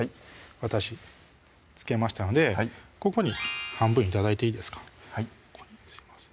私付けましたのでここに半分頂いていいですかはいここにすいません